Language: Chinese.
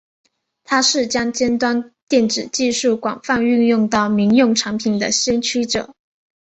他是将尖端电子技术广泛运用到民用产品的先驱者。